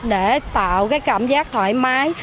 để tạo cái cảm giác thoải mái